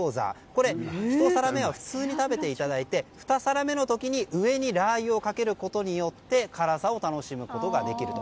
これ１皿目は普通に食べてもらって２皿目の時に上にラー油をかけることによって辛さを楽しむことができると。